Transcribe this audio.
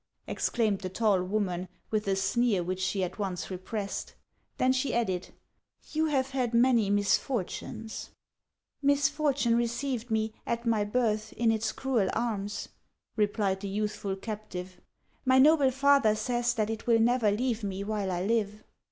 exclaimed the tall woman, with a sneer which she at once repressed. Then she added :" You have had many misfortunes !"" Misfortune received me, at my birth, in its cruel arms;" replied the youthful captive ;" my noble father says that it will never leave me while I live."